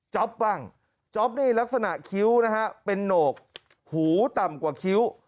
บ้างจ๊อปนี่ลักษณะคิ้วนะฮะเป็นโหนกหูต่ำกว่าคิ้ว